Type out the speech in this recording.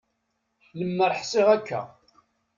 Lemmer ḥṣiɣ akka.